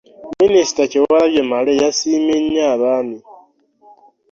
Minisita Kyewalabye Male yasiimye nnyo abaami